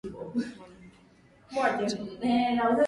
Mwalimu wangu ni kioo cha jamii.